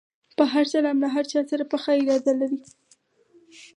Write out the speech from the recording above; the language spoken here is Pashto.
په هر سلام له هر چا سره پخه اراده لري.